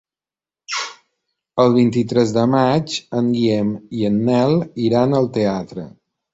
El vint-i-tres de maig en Guillem i en Nel iran al teatre.